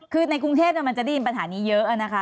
คือในกรุงเทพมันจะได้ยินปัญหานี้เยอะนะคะ